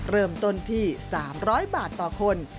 เริ่มต้นที่๓๐๐บาทต่อคน